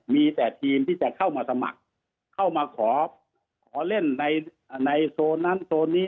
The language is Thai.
มีแต่ทีมที่จะเข้ามาสมัครเข้ามาขอเล่นในโซนนั้นโซนนี้